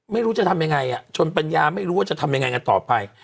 ไม่รู้จะทำยังไงชนปัญญาไม่รู้ว่าจะทำยังไงกันต่อไป